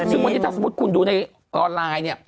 อันนี้ถ้าสมมุติคุณดูในออนไลน์